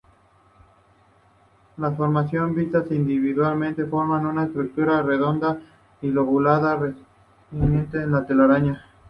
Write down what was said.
Las formaciones, vistas individualmente, forman una estructura redonda y lobulada, reminiscente de una telaraña.